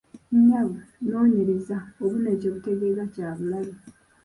Nnyabo, noonyereza obubonero kye butegeeza Kya bulabe.